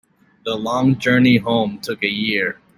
The long journey home took a year.